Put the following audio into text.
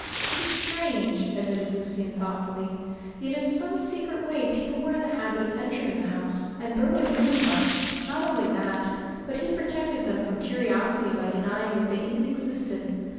"It is strange," admitted Lucian thoughtfully, "yet in some secret way people were in the habit of entering the house, and Berwin knew as much; not only that, but he protected them from curiosity by denying that they even existed."